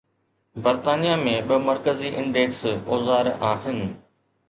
برطانيه ۾ ٻه مرڪزي انڊيڪس اوزار آهن